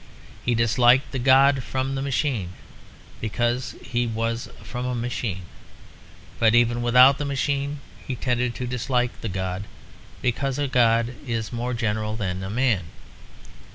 He disliked the god from the machine because he was from a machine. But even without the machine he tended to dislike the god; because a god is more general than a man.